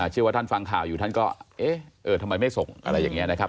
เชื่อว่าท่านฟังข่าวอยู่ท่านก็เอ๊ะทำไมไม่ส่งอะไรอย่างนี้นะครับ